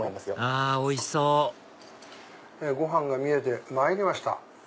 あおいしそうご飯が見えてまいりました。